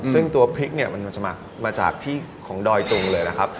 ซึ่งตัวพริกเนี่ยมันจะมาจากที่ของดอยตุงเลยนะครับ